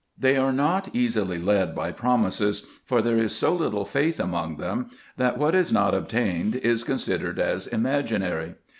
They are not easily led by promises, for there is so little faith among them, that what is not obtained is considered as imaginary.